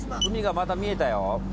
海がまた見えたよ。